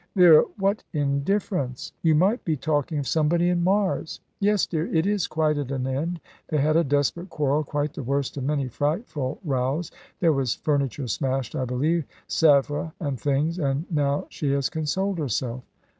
"Vera, what indifference! You might be talking of somebody in Mars. Yes, dear, it is quite at an end. They had a desperate quarrel; quite the worst of many frightful rows. There was furniture smashed, I believe Sèvres and things and now she has consoled herself."